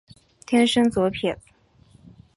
天生左撇子。